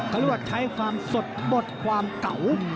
เขาเรียกว่าใช้ความสดหมดความเก่า